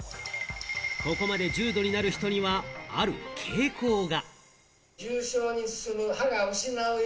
ここまで重度になる人には、ある傾向が。